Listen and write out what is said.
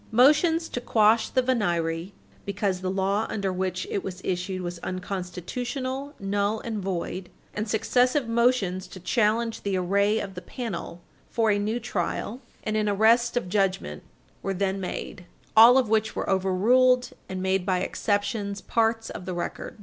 Motions to quash the venire "because the law under which Page 100 U. S. 305 it was issued was unconstitutional, null, and void," and successive motions to challenge the array of the panel, for a new trial, and in arrest of judgment were then made, all of which were overruled and made by exceptions part of the record.